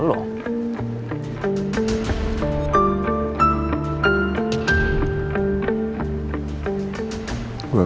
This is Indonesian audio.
ada kehargaan juga apa